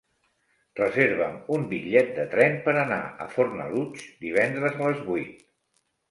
Reserva'm un bitllet de tren per anar a Fornalutx divendres a les vuit.